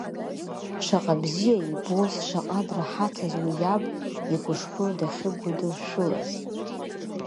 Шаҟа бзиа ибоз, шаҟа драҳаҭыз уи иаб игәышԥы дахьагәыдыршәылаз.